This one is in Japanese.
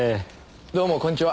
どうもこんにちは。